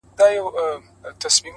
تا ولي هر څه اور ته ورکړل د یما لوري ـ